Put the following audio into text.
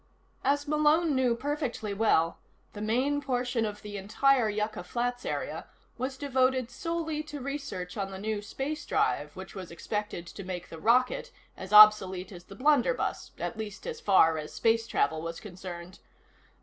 As Malone knew perfectly well, the main portion of the entire Yucca Flats area was devoted solely to research on the new space drive which was expected to make the rocket as obsolete as the blunderbuss at least as far as space travel was concerned.